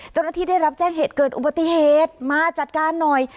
เจ้าหน้าที่ได้รับแจ้งเหตุเกิดอุบัติเหตุมาจัดการหน่อย